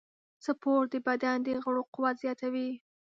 سپورت د بدن د غړو قوت زیاتوي.